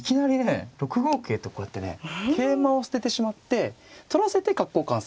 ６五桂とこうやってね桂馬を捨ててしまって取らせて角交換するっていうね